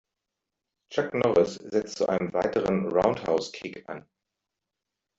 Chuck Norris setzt zu einem weiteren Roundhouse-Kick an.